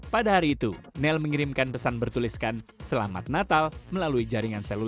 pada hari itu nel mengirimkan pesan bertuliskan selamat natal melalui jaringan seluas